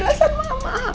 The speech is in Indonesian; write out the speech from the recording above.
dengan apa yang dia lakukan